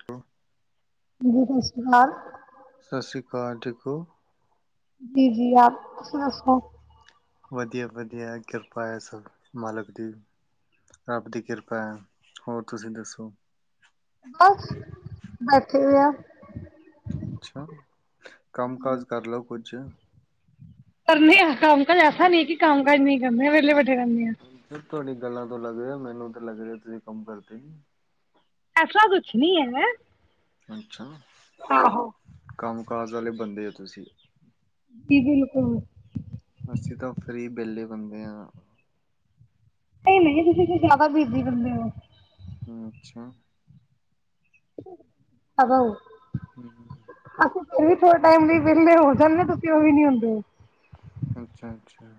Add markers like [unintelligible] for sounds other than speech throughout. Hello. ਹਾਂਜੀ, ਸਾਸਰੀ ਕਾਲ। ਸ਼੍ਰੀ ਅਕਾਲ ਠੀਕ ਓ। ਦੀ ਜੀ ਆਪ ਸੁਣੋ-ਸੁਣੋ ਵਧੀਆ-ਵਧੀਆ ਕਿਰਪਾ ਹੈ ਸਭ ਮਾਲਕ ਦੀ ਰੱਬ ਦੀ ਕਿਰਪਾ ਐ ਹੋਰ ਤੁਸੀਂ ਦੱਸੋ। ਬਸ ਬੈਠੇ ਹੋਏ ਆ। ਅੱਛਾ ਕੰਮ ਕਾਜ ਕਰ ਲੋ ਕੁੱਝ ਕਰ ਨੇ ਕੰਮ ਕਾਜ ਐਸਾ ਨਹੀ ਕਿ ਕੰਮ ਕਾਜ ਨਹੀਂ ਕਰਨੇ ਵਿਹਲੇ ਬੈਠੇ ਰੈਂਣੇ ਆਂ। ਤੁਹਾਡੀਆਂ ਗੱਲਾਂ ਤੋਂ ਲੱਗ ਰਿਆ ਮੈਨੂੰ ਤਾਂ ਲੱਗ ਰਿਆ ਤੁਸੀਂ ਕੰਮ ਕਰਦੇ ਨਈ ਐਸਾ ਕੁਛ ਨੀ ਹੈਗਾ। ਅੱਛਾ ਆਹੋ ਕੰਮ ਕਾਜ ਆਲੇ ਬੰਦੇ ਆ ਤੁਸੀਂ [inaudible] ਅਸੀਂ ਤਾਂ ਫਰੀ ਵਿਹਲੇ ਬੰਦੇ ਆਂ। ਨਈ- ਨਈ ਤੁਸੀਂ ਜਾਦਾ ਬਿਜੀ ਬੰਦੇ ਓ। ਅੱਛਾ ਅਵੋ ਹੂੰ-ਹੂੰ ਅਸੀਂ ਫਿਰ ਵੀ ਥੋੜੇ ਟਾਈਮ ਲਈ ਵਿਹਲੇ ਹੋ ਜਾਂਦੇ ਤੁਸੀਂ ਓ ਵੀ ਨੀ ਹੁੰਦੇ। ਅੱਛਾ-ਅੱਛਾ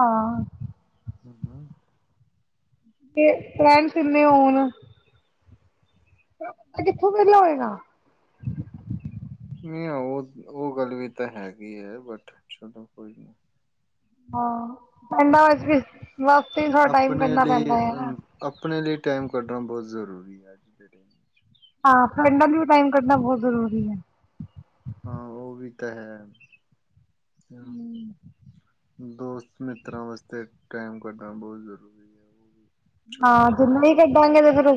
ਹਾਂ। [inaudible] ਤੇ ਫਰੈਂਡਸ ਇੰਨੇ ਹੋਣ ਓ ਕਿੱਥੋਂ ਵਿਹਲਾ ਹੋਏਗਾ। ਨਈ ਓ- ਓ ਗੱਲ ਵੀ ਤਾਂ ਹੈਗੀ ਆ ਬਟ ਚਲੋ ਕੋਈ ਨਈ ਹਾਂ ਪਿੰਡਾਂ ਵਿੱਚ ਵੀ ਬਸ ਥੋ੍ਹਾ [unintelligible] ਟਾਈਮ ਆਪਣੇ ਕਰਨਾ ਲਈ ਪੈਂਦਾ ਏ ਨਾ। ਅ ਆਪਣੇ ਲਈ ਟਾਈਮ ਕੱਢਣਾ ਬੋਤ ਜ਼ਰੂਰੀ ਆ ਅੱਜ ਦੇ ਟਾਈਮ ਹਾਂ ਪਿੰਡਾਂ ਲਈ ਵੀ ਟਾਈਮ ਕੱਢਣਾ ਬਹਤ ਜ਼ਰੂਰੀ ਐ। ਹਾਂ ਓ ਵੀ ਤਾ ਹੈ। ਦੋਸਤ, ਮਿੱਤਰਾਂ ਵਾਸਤੇ ਟੈਮ ਕੱਢਣਾ ਬੋਤ ਜ਼ਰੂਰੀ ਐ। ਹਾਂ ਜਿੰਨਾ ਵੀ ਕੱਢਾਂਗੇ ਤੇ ਫਿਰ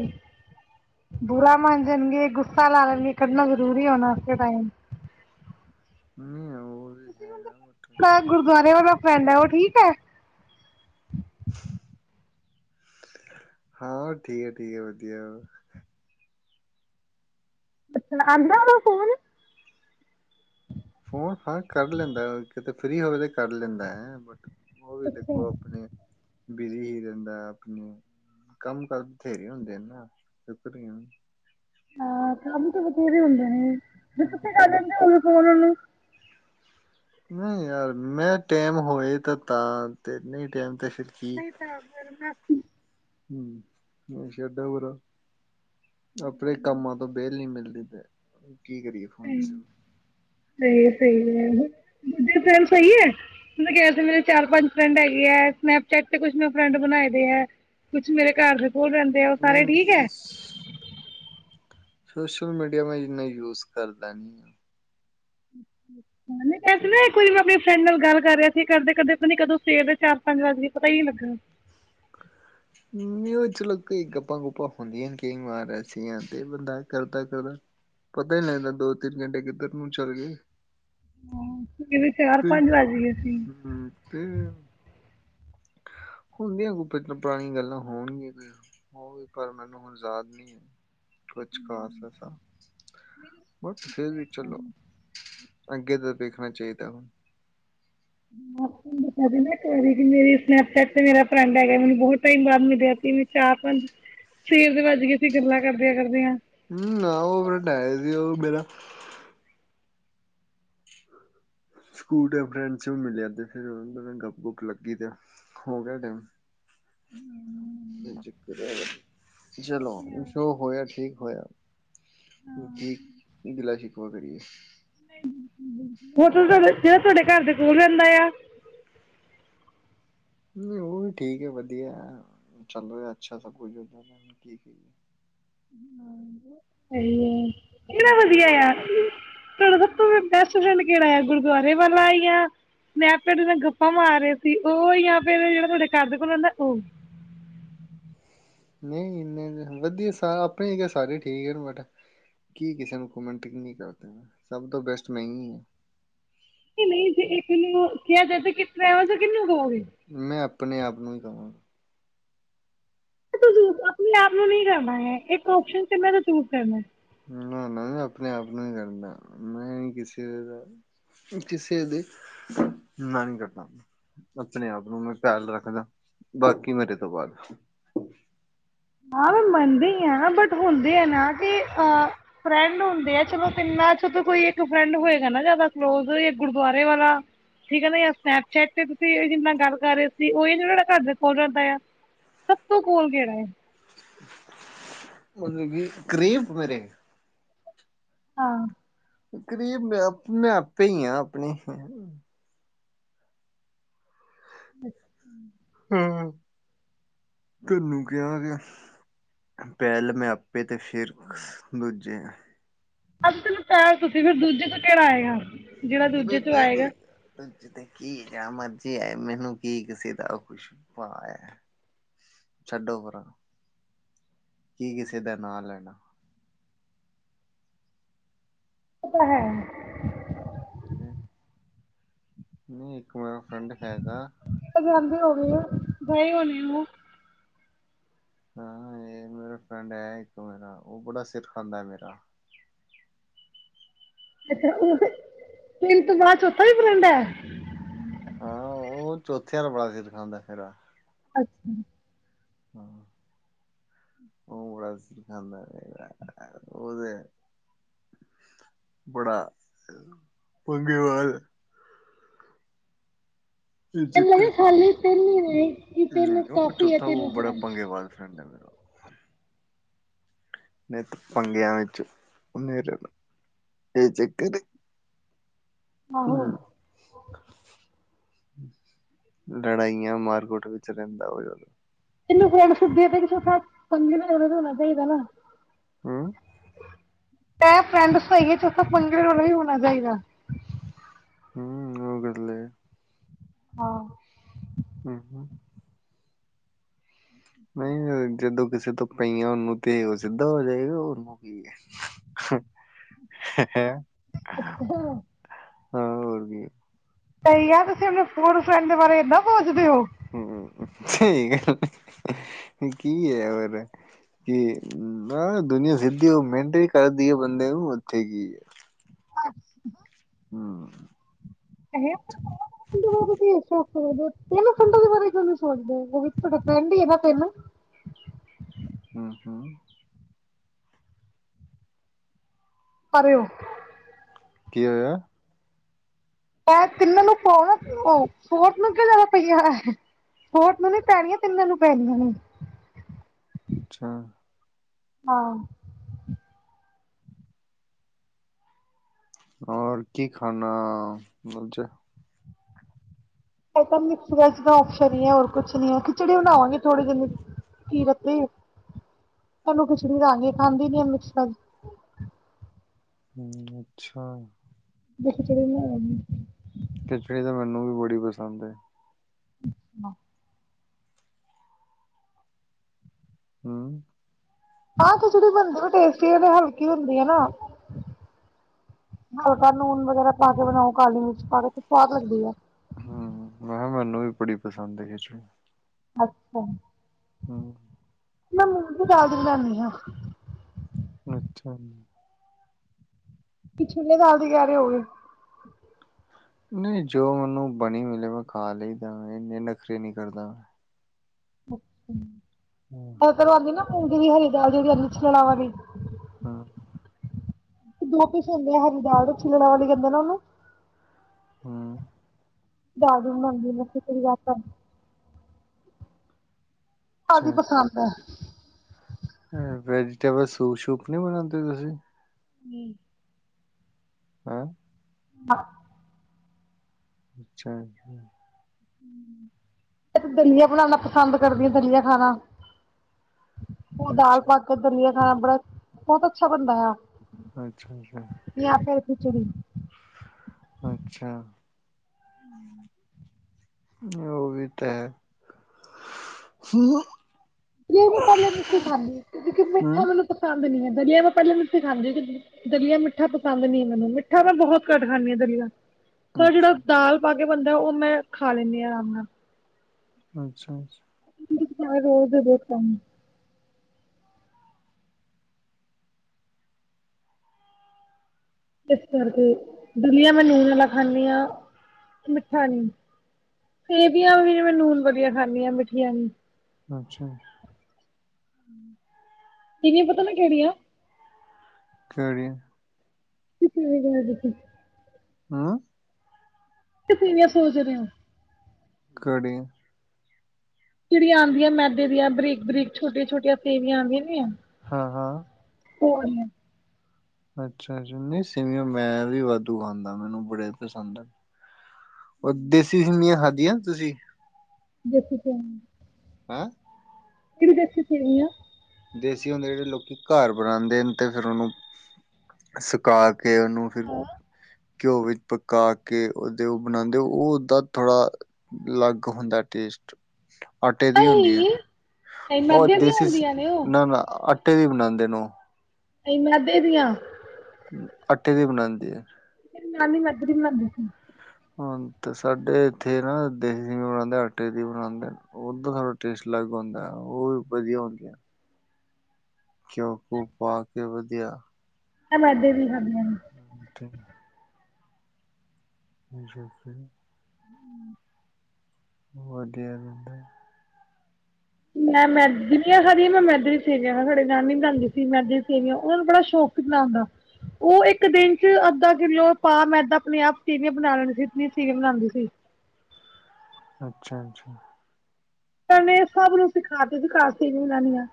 ਬੁਰਾ ਮੰਨ ਜਾਣਗੇ ਗੁੱਸਾ ਲਾ ਲੈਣਗੇ ਕੱਢਣਾ ਜ਼ਰੂਰੀ ਹੋਣਾ ਟਾਈਮ ਨਈ ਏ ਹੋਰ ਤੁ ਗੁਰਦੁਆਰੇ ਵਾਲਾ ਫਰੈਂਡ ਹੈ ਉਹ ਠੀਕ ਐ। ਹਾਂ ਠੀਕ ਐ ਠੀਕ ਐ ਵਧੀਆ ਵਾ। ਅੱਛਾ ਆਂਦਾ ਉਹਦਾ ਫੋਨ ਫੋਨ ਹਾਂ ਕਰ ਲੈਂਦਾ ਕਿਤੇ ਫਰੀ ਹੋਵੇ ਤਾਂ ਕਰ ਲੈਂਦਾ ਐ ਬਟ ਓ ਵੀ ਅੱਛਾ ਦੇਖੋ ਆਪਣੇ ਬਿਜੀ ਰੈਂਦਾ ਆਪਣੇ ਕੰਮ ਕਰ ਬਥੇਰੇ ਹੁੰਦੇ ਨੇ [unintelligible] ਹਾਂ ਕੰਮ ਤੇ ਬਥੇਰੇ ਹੁੰਦੇ ਨੇ ਜ ਹਮ ਤੁਸੀੇ ਕਰ ਲੈਂਦੇ ਫੋਨ ਉਨੂੰ [inaudible] ਨਈ ਯਾਰ ਮੈਂ ਟੈਮ ਹੋਏ ਤਾਂ ਤਾਂ ਤੇ ਨਈ ਟਾਈਮ ਤੇ ਫਿਰ ਕੀ ਨਈ ਟੈਮ ਫਿਰ ਮੈਂ ਹੂੰ ਮ ਛੱਡੋ ਪਰਾ ਆਪਣੇ ਕੰਮਾਂ ਤੋਂ ਵੇਲ ਨੀ ਮਿਲਦੀ ਤੇ ਕੀ ਕਰੀਏ ਫੋਨ ਕਿਸੇ ਨੂੰ ਸਹੀ ਸਹੀ ਹੈ, ਦ ਫਮ ਸਹੀ ਹੈ ਮੈਂ ਕਿਹਾ ਸੀ ਮੇਰੇ ਚਾਰ ਪੰਜ ਫਰੈਂਡ ਹੈਗੇ ਹੈ, ਸਨੈਪਚੈਟ ਤੇ ਕੁਛ ਮੈੰ ਫਰੈਂਡ ਬਣਾਏ ਦੇ ਹੈ ਕੁਛ ਮੇਰੇ ਘਰ ਦੇ ਕੋਲ ਰਹਿੰਦੇ ਆ, ਉਹ ਨਹੀਂ ਸਾਰੇ ਨਹੀਂ ਠੀਕ ਹੈ ਸੋਸ਼ਲ ਮੀਡੀਆ ਮੈਂ ਇੰਨਾ ਯੂਜ ਕਰਦਾ ਨੀ ਪੈਸੇ ਤੇ ਨਾ ਕੋਈ ਆਪਣੇ ਫਰੈਂਡ ਨਾਲ ਗੱਲ ਕਰ ਰਿਹਾ ਸੀ ਕਰਦੇ ਕਰਦੇ ਪਤਾ ਨ ਕਦੋਂ ਸਵੇਰ ਦੇ ਚਾਰ ਪੰਜ ਵੱਜਈ ਪਤਾ ਹੀ ਨੀਲੱਗਾ [inaudible] ਉਹ ਚਲੋ ਕਈ ਗੱਪਾਂ ਗੁੱਪਾਂ ਹੁੰਦੀਆਂ ਨੇ ਕਈ ਮਾਰ ਸੀ ਤੇ ਬੰਦਾ ਕਰਦਾ ਕਰਦਾ ਪਤਾ ਹੀ ਲੱਗਦਾ, ਦੋ- ਤਿੰਨ ਘੰਟੇ ਕਿੱਧਰ ਨੂੰ ਚੱਲ ਗਏ ਸਵੇਰ ਦੇ ਚਾਰ ਤੇ, ਪੰਜ ਵੱਜ ਗਏ ਸੀ ਮੈਂ ਹਮ, ਤੇ ਹੁੰਦੀਆਂ, ਪਹਿਲਾ ਪੁਰਾਣੀਆਂ ਗੱਲਾਂ ਹੋਣਗੀਆਂ ਤੇ ਹੋ ਵੀ, ਪਰ ਮੈਨੂੰ ਹੁਣ ਯਾਦ ਨਹੀਂ ਹੈ ਕੁਛ ਖਾਸ ਐਸਾ, ਬਸ, ਫਿਰ ਵੀ ਚਲੋ ਅੱਗੇ ਦਾ ਦੇਖਣਾ ਚਾਹੀਦਾ ਹੁਣ [inaudible] ਤਾ ਇੱਕ ਵਾਰੀ ਮੇਰੀ ਸਨੈਪਚੈਟ ਤੇ ਮੇਰਾ ਫਰੈਂਡ ਹੈਗਾ ਮੈਨੂੰ ਬਹੁਤ ਟਾਈਮ ਬਾਅਦ ਮਿਲਿਆ ਸੀ ਮ ਚਾਹ-ਪੰਜ ਸਵੇਰ ਦੇ ਵੱਜ ਗਏ ਸੀਂ ਗੱਲਾਂ ਕਰਦਿਆਂ- ਕਰਦਿਆਂ ਹਮ, ਆ ਉਹ ਫਰਡ ਸੀ ਉਹ ਮੇਰਾ ਸਕੂਟ ਫਰੈਂਡਸ ਮਿਲਿਆ ਤੇ ਫਿਰ ਉਹ ਗੱਪ ਗੁੱਪ ਲੱਗੀ ਤੇ ਹੋ ਗਿਆ ਟਾਈਮ ਚਲੋ ਜੋ ਹੋਇਆ, ਠੀਕ ਹੋਇਆ ਕੀ ਗਿਲਾ ਸ਼ਿਖਵਾ ਕਰੀਏ ਹੋਟ ਤੁਹਾਡ ਜਿਹੜਾ ਤੁਹਾਡੇ ਘਰ ਦੇ ਕੋਲ ਰਹਿੰਦਾ ਆ ਨਹੀਂ ਉਹ ਵੀ ਠੀਕ ਹੈ ਵਧੀਆ, ਚੱਲ ਰਿਹਾ ਅੱਛਾ ਸਭ ਕੁਝ ਉਹਨਾ ਦਾ ਹਮ ਕਿਹੜਾ ਹੂੰ ਵਧੀਆ ਆ ਤੁਹਾਡਾ ਸਭ ਤੋਂ ਬੈਸਟ ਫਰੈਂਡ ਕਿਹੜਾ ਆ, ਗੁਰਦੁਆਰੇ ਵਾਲਾ ਆ ਜਾ ਮੈਂ ਪੈਡ ਨਾਲ ਗੱਪਾ ਮਾਰ ਰਹੇ ਸੀ ਉਹ ਜਾ ਫਿਰ ਜਿਹੜਾ ਤੁਹਾਡੇ ਘਰ ਦੇ ਕੋਲੋ ਨਠੂ ਨਹੀਂ, ਇਨੇ ਵਧੀਆ ਸ ਆਪਣੇ ਸਾਰੇ ਠੀਕ ਬਟ ਕੀ ਕਿਸੇ ਨੂੰ ਕਮੈਂਟ ਨਹੀਂ ਕਰਦੇ, ਸਭ ਤੋਂ ਬੈਸਟ ਮਹਿੰਗੀ ਹੈ ਨਹੀਂ- ਨਹੀਂ ਜੇ ਇੱਕ ਨੂੰ ਕਿਹਾ ਜਾ ਕਿ ਟਰੈਵਾਂ ਤੋਂ ਕਿਹਨੂੰ ਕੋਗੇ ਮੈਂ ਆਪਣੇ ਆਪ ਨੂੰ ਹੀ ਕਹਾਂਗਾ ਨੂੰ ਚੂ ਆਪਣੇ ਆਪ ਨੂੰ ਨਹੀਂ ਕਰਨਾ ਹੈ, ਇੱਕ ਓਪਸ਼ਨ ਤੇ ਮੈਂ ਤ ਚੂਜ ਕਰਨਾ ਨਾ- ਨਾ ਮੈਂ ਆਪਣੇ ਆਪ ਨੂੰ ਹੀ ਕਰਨਾ, ਮੈਂ ਨੀ ਕਿਸੇ ਦਾ ਕਿਸੇ ਦੇ, ਮੈਂ ਨਹੀਂ ਕਰਦਾ ਹੁੰਦਾ ਆਪਣੇ ਆਪ ਨੂੰ ਮੈਂ ਖਿਆਲ ਰੱਖਦਾ, ਬਾਕੀ ਮੇਰੇ ਤੋਂ ਬਾਅਦ ਹਾਂ, ਮੈਂ ਮੰਨਦੀ ਆ, ਬਟ ਹੁੰਦੇ ਆ ਨਾ ਤੇ ਅ ਫਰੈਂਡ ਹੁੰਦੇ ਆ ਚਲੋ ਤਿੰਨਾ 'ਚ ਕੋਈ ਇੱਕ ਫਰੈਂਡ ਹੋਏਗਾ ਨਾ ਜਿਆਦਾ ਕਲੋਜ ਇੱਕ ਗੁਰਦੁਆਰੇ ਵਾਲਾ ਠੀਕ ਹੈ ਨਾ, ਯ ਸਨੈਪਚੈਟ ਤੇ ਤੁਸੀਂ ਜਿੰ ਨਾਲ ਗੱਲ ਕਰ ਰਹੇ ਸੀ ਉਹੀ ਜਿਹੜਾ ਘਰ ਦੇ ਕੋਲ ਰਹਿੰਦਾ ਆ ਸਭ ਤੋਂ ਕੋਲ ਕਿਹੜਾ ਹੈ ਮਤਲਬ ਕੀ, ਗ੍ਰੀਮ ਮੇਰੇ ਹਾਂ ਕਰੀਬ ਮ ਮੈਂ ਆਪੇ ਹੀ ਹਾਂ ਆਪਣੇ ਅੱਛਾ ਆਹੋ, ਤੈਨੂੰ ਕਿਹਾ ਗਿਆ ਪਹਿਲ ਮੈਂ ਆਪੇ ਤੇ ਫਿਰ, ਦੂਜੇ ਆ ਤੈਨੂੰ ਪਹਿਰ ਤੁਸੀਂ ਫਿਰ ਦੂਜੇ ਤੋਂ ਕੇੜਾ ਆਏਗਾ ਜੇੜਾ ਦੂਜੇ ਚੋਂ ਆਏਗਾ। ਦੂਜੇ ਤੇ ਕੀ ਜੇੜਾ ਮਰਜੀ ਆਏ ਮੈਨੂੰ ਕੀ ਕਿਸੇ ਦਾ ਖੁਸ਼ ਛੱਡੋ ਪਰਾ ਕੀ ਕਿਸੇ ਦਾ ਨਾਂ ਲੈਣਾ। ਓ ਤਾਂ ਹੈ। ਹੂੰ ਨਈ ਇੱਕ ਮੇਰਾ ਫਰੈਂਡ ਹੈਗਾ। ਜਾਂਦੇ ਹੋਣੇ ਆ ਗਏ ਤੇ ਹੋਣੇ ਓ। ਹਾਂ ਏ ਮੇਰਾ ਫਰੈਂਡ ਹੈ ਇੱਕ ਮੇਰਾ ਓ ਬੜਾ ਸਿਰ ਖਾਂਦਾ ਮੇਰਾ ਅੱਛਾ, ਓ ਤਿੰਨ ਤੋਂ ਬਾਅਦ ਚ ਚੋਥਾ ਵੀ ਫਰੈਂਡ ਐ। ਹਾਂ, ਓਹੋ ਚੌਥੇ ਆਲਾ ਬੜਾ ਜਿਦ ਕਰਦਾ ਮੇਰਾ ਅੱਛਾ। ਹੂੰ। ਓ ਬਸ ਖਾਦਾ ਪਿਆ ਓਹਦੇ ਬੜਾ ਪੰਗੇਵਾਜ ਆ। ਐਨਾ ਨੇ ਖਾਲੀ ਤਿੰਨ ਈ ਨੇ। ਕਿ ਮੈ ਤਿੰਨ ਕਿਆ ਓ ਕਾਫੀ ਹੈ ਚੌਥਾ ਓ ਤਿੰਨ ਬੜਾ ਫਰੈਂਡ ਪੰਗੇਬਾਜ ਫਰੈਂਡ ਐ ਮੇਰਾ। ਨਿੱਤ ਪੰਗਿਆ ਵਿੱਚ ਉਹਨੇ ਰੈਨਾ ਏ ਚੱਕਰ ਐ। ਹੂੰ। ਲੜਾਈਆਂ ਮਾਰਕੁਟ ਵਿੱਚ ਰੈਦਾ ਓ ਜਿਆਦਾ। [inaudible] ਹੂੰ। ਤੇ ਫਰੈਂਡ ਸਈ ਏ ਪੰਗੇ ਓਥੇ ਆਲਾ ਵੀ ਹੋਣਾ ਚਾਈਦਾ। ਹੂੰ ਓ ਗੱਲ ਐ। ਹਾਂ। ਹੂੰ-ਹੂੰ। ਨਈ ਜਦੋਂ ਕਿਸੇ ਤੋਂ ਪਈਆਂ ਓਨੂੰ ਤੇ ਓ ਸਿੱਧਾ ਹੋ ਜਾਏਗਾ ਓਨੂੰ ਕੀ ਏ ਹੈ ਹੋਰ ਕੀ ਏ ਤੇ ਯਾਰ ਤੁਸੀਂ ਆਪਣੇ ਫੋਰ ਫਰੈਂਡ ਦੇ ਬਾਰੇ ਨਾ ਸੋਚਦੇ ਓ। ਹੂੰ ਸਈ ਗੱਲ ਕੀ ਐ ਹੋਰ। ਕਿ ਮੈ ਦੁਨੀਆਂ ਸਿੱਧੀ ਓ ਮਿਹਨਤ ਹੀ ਕਰਦੀ ਐ ਬੰਦੇ ਨੂੰ ਏਥੇ ਕੀ ਐ। ਹੂੰ। ਹੈ [inaudible] ਹੂੰ-ਹੂੰ। ਪਰੇ ਹੋ। ਕੀ ਹੋਇਆ। ਤਿੰਨ ਨੂ ਫੋਰ ਨੂੰ ਕਿ ਜ਼ਿਆਦਾ ਪਈਆਂ। ਹੋਟ ਨੂੰ ਨੀ ਪੈਣੀਆਂ ਤਿੰਨਾਂ ਨੂੰ ਪੈਣੀਆਂ ਨੇ। ਅੱਛਾ। ਹਾਂ। ਔਰ ਕੀ ਖਾਣਾ ਅੱਜ? ਏ ਤਾਂ ਮਿਕਸ ਵੇਜ ਦਾ ਔਪਸ਼ਨ ਈ ਐ ਹੋਰ ਕੁਛ ਨੀ ਐ ਖਿਚੜੀ ਬਣਾਵਾਂਗੀ ਥੋੜੇ ਜਿਨੀ ਕੀ ਲੱਤੇ ਤੁਹਾਨੂੰ ਖਿਚੜੀ ਰਲਾ ਕੇ ਖਾਂਦੀ ਨੀ ਆ ਮਿਕਸਰ ਹੂੰ, ਅੱਛਾ। ਖਿਚੜੀ ਬਨਾਲਾਗੀ। ਖਿਚੜੀ ਤਾਂ ਮੈਨੂੰ ਵੀ ਬੜੀ ਪਸੰਦ ਐ। [unintelligible] ਹਮ ਆਹ ਖਿਚੜੀ ਬਣਦੀ ਵੀ ਟੇਸਟੀ ਹੈ ਨ। ਹਲਕੀ ਹੁੰਦੀ ਆ ਨਾ। ਹਲਕਾ ਲੂਨ ਵਗੈਰਾ ਪਾ ਕੇ ਬਣਾਓ, ਕਾਲੀ ਮਿਰਚ ਪਾ ਕੇ, ਤੇ ਸਵਾਦ ਲੱਗਦੀ ਆ। ਹਮ, ਮੈਂ ਕਿਹਾ ਮੈਨੂੰ ਵੀ ਬੜੀ ਪਸੰਦ ਏ ਖਿਚੜੀ। ਅੱਛਾ। ਹਮ ਮੈਂ ਮੂੰਗੀ ਦਾਲ ਦੀ ਬਣਾਉਦੀ ਹਾਂ। ਅੱਛਾ ਜੀ। ਤੁਸੀਂ ਛੋਲਿਆਂ ਦਾਲ ਦੀ ਕਹਿ ਰਹੇ ਹੋਵੋਗੇ? ਨਹੀਂ ਜੋ ਮੈਨੂੰ ਬਣੀ ਮਿਲੇ, ਮੈਂ ਖਾ ਲਈਦਾ, ਇੰਨੇ ਨਖਰੇ ਨੀ ਕਰਦਾ ਮੈਂ। [unintelligible] [unintelligible] [unintelligible] ਆਂਦੀ ਨਾ ਮੂੰਗੀ ਦੀ ਵੀ ਹੈਗੀ, ਦਾਲ ਦੀ ਵੀ ਹੈਗੀ, ਛਿਲੜਾਂ ਵਾਲੀ। ਹਮਮ। ਦੋ ਕੀਸਮ ਦੀ ਆ ਹਰੀ ਦਾਲ, ਉਹ ਛਿਲਣਾ ਵਾਲੀ ਕਹਿਦੇ ਨਾ ਉਹਨੂੰ? ਹਮਮ। ਦਾਦੂ ਮੰਮੀ ਮਾਂ ਤੇਰੀ ਯਾਦ ਆਦੀਂ। ਦੀ ਅੱਛਾ ਪਸੰਦ ਹੈ। ਵੈਜੀਟੇਬਲ ਸੂਪ-ਸੂਪ ਨਹੀਂ ਬਣਾਉਂਦੇ ਤੁਸੀਂ? ਹਮ। ਹੈ ਹਾਂ। ਅੱਛਾ। ਹਮਮ। ਮ ਦਲੀਆ ਬਣਾਉਣਾ ਪਸੰਦ ਕਰਦੀ ਹਾਂ। ਦਲੀਆ ਖਾਣਾ। ਉਹ ਦਾਲ ਅੱਛਾ ਪਾਕੇ ਦਲੀਆ ਖਾਣਾ, ਬੜਾ ਬਹੁਤ ਅੱਛਾ ਬਣਦਾ ਆ। ਅੱਛਾ ਜੀ। ਜਾਂ ਫੇਰ ਖਿਚੜੀ ਅੱਛਾ। ਉਹ ਵੀ ਤਾਂ ਹੈ। ਹੂੰ ਦਲੀਆ ਮੈਂ ਪਹਿਲੇ ਨਹੀਂ ਸੀ ਖਾਂਦੀ, ਕਿਉਕਿ ਅੱਛਾ ਮਿੱਠਾ ਮੈਨੂੰ ਪਸੱਦ ਨਹੀਂ ਹੈ। ਦਲੀਆ ਮੈਂ ਪਹਿਲੇ ਨੀ ਸੀ ਖਾਂਦੀ ਕਿ ਦਲੀਆ ਮਿੱਠਾ ਪਸੰਦ ਨਹੀਂ ਮੈਨੂੰ। ਮਿੱਠਾ ਮੈਂ ਬਹੁਤ ਘੱਟ ਖਾਂਦੀ ਹਾਂ। ਦਲੀਆ ਪਰ ਜਿਹੜਾ ਅੱਛਾ ਦਾਲ ਪਾ ਕੇ ਬੰਦਾ ਹੇ, ਉਹ ਮੈਂ ਖਾ ਲੈਂਦੀ ਹਾਂ ਆਰਾਮ ਨਾਲ। ਅੱਛਾ-ਅੱਛਾ। [unintelligible] ਰੋਜ ਦੇ ਬਹੁਤ ਕੰਮ ਨੇ। ਇਸ ਕਰਕੇ ਦੁਲੀਆਂ ਮੈਂ ਨੂਣ ਨਾਲਾ ਖਾਂਦੀ ਹਾਂ, ਮਿੱਠਾ ਨੀ। ਸੇਵੀਆਂ ਵੀ ਜਿਵੇਂ ਨੂਨ ਵਧੀਆ ਖਾਂਦੀ ਆ ਮਠੀਆ ਨੀ। ਅੱਛਾ ਤੀਵੀਂ ਪਤਾ ਮੇਂ ਕਿਹੜੀ ਆ। ਕੇਹੜੀ? [unintelligible] ਹਾਂ [unintelligible] ਘੜੀ ਜਿਹੜੇ ਆਦੀਆਂ ਮੈਦੇ ਦੀਆਂ ਬਰੀਕ-ਬਰੀਕ ਛੋਟੀਆਂ-ਛੋਟੀਆਂ ਫੇਨੀਆਂ ਆਂਦੀਆਂ ਨੀ ਏ। ਹਾਂ ਹਾਂ। ਓ ਆਲੀਆਂ। ਅੱਛਾ ਜੀ ਨੀ ਸੇਵੀਆਂ ਮੈਂ ਵੀ ਵਾਧੂ ਖਾਂਦਾ ਮੈਨੂੰ ਬੜੇ ਪਸੰਦ ਆ। ਉਹ ਦੇਸੀ ਸੇਮੀਆਂ ਖਾਧੀਆਂ ਤੁਸੀਂ? ਦੇਖੀ ਤੇ। ਹੈ। ਕੇੜੀ ਦੇਸੀ ਸੇਵੀਆਂ? ਦੇਸੀ ਹੁੰਦੇ ਜੇੜੇ ਲੋਕੀ ਘਰ ਬਣਾਦੇ ਇਹਨੂੰ ਤੇ ਫਿਰ ਉਹਨੂੰ। ਸੁਕਾ ਕੇ ਓਨੂੰ ਫਿਰ ਘਿਓ ਵਿੱਚ ਪਕਾ ਕੇ ਉਦੇ ਉਹ ਬਣਾਦੇ ਉਹ ਓਦਾ ਥੋੜ੍ਹਾ। ਲਗ ਹੁੰਦਾ ਟੇਸਟ ਆਟੇ ਦੀ ਹੁੰਦੀਆ ਏ, ਅਹੀਂ ਅਹੀਂ ਉਹ ਮੈਦੇ ਦੀਆਂ ਦੇਸੀ ਹੁੰਦੀਆਂ ਨੇ ਉਹ ਨਾ ਆਟੇ ਦੀ ਬਣਾਦੇ ਨੇ ਓਹ ਨਈ ਮੈਦੇ ਦੀਆਂ ਆਟੇ ਦੀ ਬਣਾਦੇ ਆ। ਮੇਰੀ ਨਾਨੀ ਮੈਦੇ ਦੀ ਬਣਾਦੀ ਸੀ। ਹੁਣ ਤੇ ਸਾਡੇ ਇੱਥੇ ਨਾ ਦੇਸੀ ਦੀ ਬਣਾਦੇ, ਆਟੇ ਦੀ ਬਣਾਦੇ ਹੁਣ ਤਾਂ ਟੇਸਟ ਲੱਗ ਹੁੰਦਾ, ਉਹ ਵੀ ਵਧੀਆ ਹੁੰਦੀਆਂ। ਘਿਓ ਘੁੳ ਪਾ ਕੇ ਵਧੀਆ। ਮੈਂ ਮੈਦੀ ਦੀ ਖਾਦੀਆ ਨੇ। ਕਿਥੇ? ਜੋ ਕਿ। ਵਧੀਆ ਬੇਟੇ। ਮੈਂ ਮੈਦੇ ਦੀਆਂ ਖਾਂਦੀਆਂ, ਮੈਂ ਮੈਦੇ ਸੇਵੀਆਂ ਖਾਂਦੀਆ, ਸਾਡੇ ਨਾਨੀ ਬਣਾਦੀ ਸੀ ਮੈਂਦੇ ਦੀਆਂ ਸੇਵੀਆਂ ਉਹਨਾ ਨੂੰ ਬੜਾ ਸ਼ੌਕ। ਕਿੰਨਾ ਹੁੰਦਾ? ਉਹ ਏਕ ਦਿਨ ਚ ਅੱਧਾ ਕਿੱਲੋ, ਪਾ ਮੈਦਾਂ ਆਪਣੇ ਆਪ ਸੇਵੀਆਂ ਬਣਾ ਲੈਣੀ ਸੀ। ਅਸੀਂ ਨੀ ਬਣਾਦੇ ਸੀ। ਅੱਛਾ-ਅੱਛਾ। ਉਹਨਾਂ ਨੇ ਸਭ ਨੂੰ ਸਿਖਾ ਤੀਆਂ ਸੀ ਕਾਰ ਸੇਵੀਆਂ ਗੁਨਾਨੀਆ।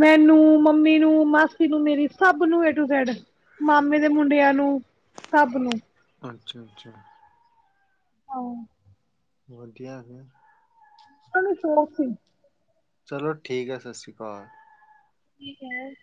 ਮੈਨੂੰ, ਮੰਮੀ ਨੂੰ, ਮਾਸੀ ਨੂੰ ਮੇਰੀ, ਸਭ ਨੂੰ ਏ ਟੂ ਜੈਡ। ਮਾਮੇ ਦੇ ਮੁੰਡਿਆਂ ਨੂੰ ਸਭ ਨੂੰ। ਅੱਛਾ ਅੱਛਾ। ਹਾਂ। ਹੋਰ ਕਿ ਹਾਲ ਏ। ਓਨੂੰ ਸ਼ੌਕ ਸੀ। ਚਲੋ ਠੀਕ ਐ ਸਤਿ ਸ਼੍ਰੀ ਅਕਾਲ। ਕਿ ਕੇਹਨਾ